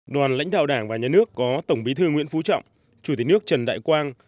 đoàn lãnh đạo đảng và nhà nước có tổng bí thư nguyễn phú trọng chủ tịch nước trần đại quang